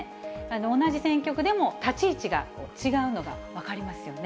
同じ選挙区でも立ち位置が違うのが分かりますよね。